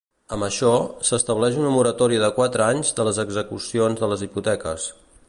Amb això, s'estableix una moratòria de quatre anys de les execucions de les hipoteques.